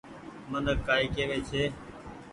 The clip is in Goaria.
منک ڪآئي ڪيوي ڇي۔